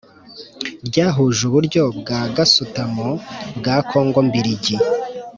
ryahuje uburyo bwa gasutamo bwa Kongo mbirigi